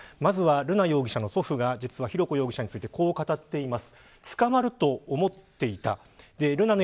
瑠奈容疑者の祖父が浩子容疑者についてこう語っています。